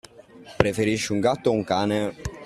Preferisci un gatto o un cane?